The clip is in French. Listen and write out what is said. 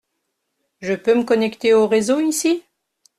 Je peux me connecter au réseau ici ?